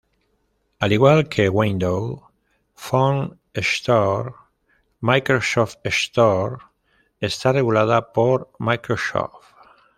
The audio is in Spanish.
Al igual que Windows Phone Store, Microsoft Store está regulada por Microsoft.